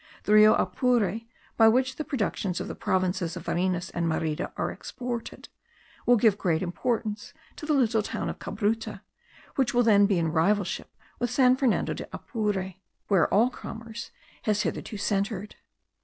The Rio Apure, by which the productions of the provinces of Varinas and Merida are exported, will give great importance to the little town of Cabruta, which will then be in rivalship with San Fernando de Apure, where all commerce has hitherto centred.